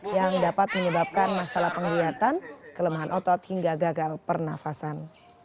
yang dapat menyebabkan masalah penglihatan kelemahan otot hingga gagal pernafasan